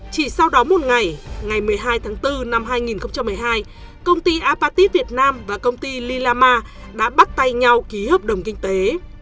chỉ sau đó một ngày ngày một mươi hai tháng bốn năm hai nghìn một mươi hai công ty apatit việt nam và công ty lila ma đã bắt tay nhau ký hợp đồng kinh tế